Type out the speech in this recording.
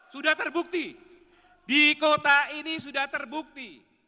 sudah terbukti di kota ini sudah terbukti